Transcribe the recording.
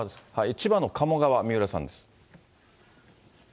千葉の鴨川、三浦さんです。